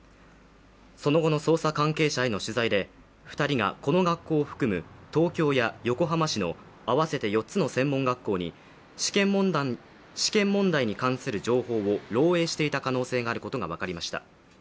その後の捜査関係者への取材で２人がこの学校を含む東京や横浜市の合わせて４つの専門学校に試験問題に関する情報を漏えいしていた可能性があることが分かりました。